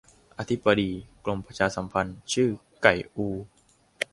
อธิบดี กรมประชาสัมพันธ์ ชื่อ ไก่อู